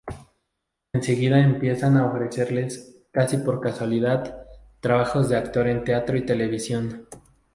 Enseguida empiezan a ofrecerle, casi por casualidad, trabajos de actor en teatro y televisión.